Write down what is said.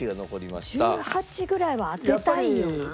１０８ぐらいは当てたいよな。